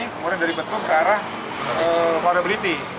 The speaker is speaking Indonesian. kemudian dari betung ke arah morabiliti